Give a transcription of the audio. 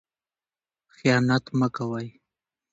خیانت مه کوئ.